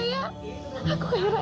jadi kalau lima